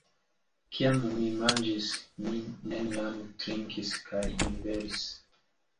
Kiam mi manĝis mi nenion trinkis kaj inverse.